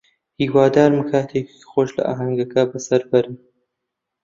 هیوادارم کاتێکی خۆش لە ئاهەنگەکە بەسەر بەرن.